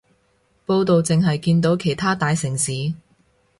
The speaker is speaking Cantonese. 報導淨係見到其他大城市